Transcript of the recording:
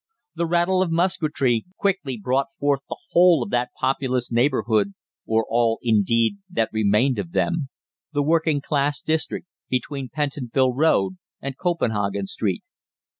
The rattle of musketry quickly brought forth the whole of that populous neighbourhood or all, indeed, that remained of them the working class district between Pentonville Road and Copenhagen Street.